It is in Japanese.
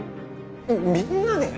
みんなで！？